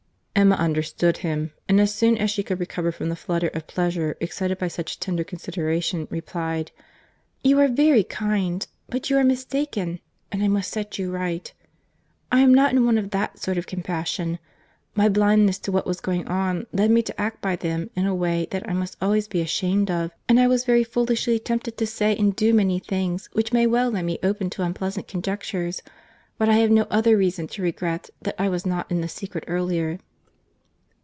Emma understood him; and as soon as she could recover from the flutter of pleasure, excited by such tender consideration, replied, "You are very kind—but you are mistaken—and I must set you right.— I am not in want of that sort of compassion. My blindness to what was going on, led me to act by them in a way that I must always be ashamed of, and I was very foolishly tempted to say and do many things which may well lay me open to unpleasant conjectures, but I have no other reason to regret that I was not in the secret earlier."